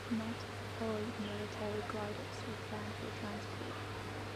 Not all military gliders were planned for transport.